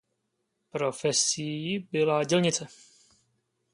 Profesí byla dělnice.